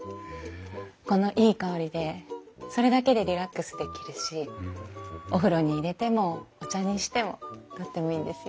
このいい香りでそれだけでリラックスできるしお風呂に入れてもお茶にしてもとってもいいんですよ。